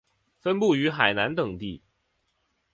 分布于海南等地。